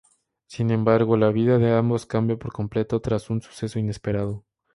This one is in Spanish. Sin embargo, la vida de ambos cambia por completo tras un suceso inesperado.